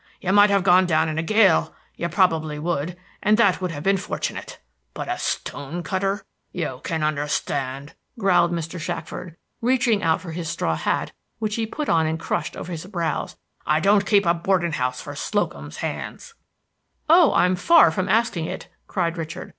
You might have gone down in a gale, you probably would, and that would have been fortunate. But a stone cutter! You can understand," growled Mr. Shackford, reaching out for his straw hat, which he put on and crushed over his brows, "I don't keep a boarding house for Slocum's hands." "Oh, I'm far from asking it!" cried Richard.